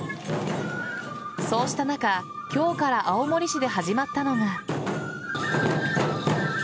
そうした中今日から青森市で始まったのが。